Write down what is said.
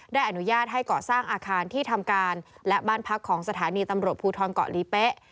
อนุญาตให้ก่อสร้างอาคารที่ทำการและบ้านพักของสถานีตำรวจภูทรเกาะลีเป๊ะ